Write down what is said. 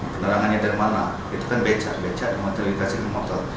penerangannya dari mana itu kan becak becak motorifikasi ke motor